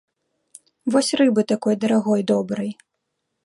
Вось рыбы такой дарагой добрай.